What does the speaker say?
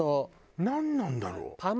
なんなんだろう？